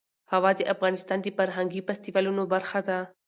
هوا د افغانستان د فرهنګي فستیوالونو برخه ده.